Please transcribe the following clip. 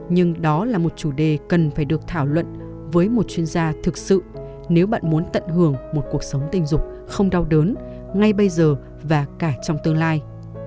nhưng đó là một chủ đề cần phải được thảo luận với một chuyên gia thực sự nếu bạn muốn tận hưởng một cuộc sống tình dục không đau đớn ngay bây giờ và cả trong tương lai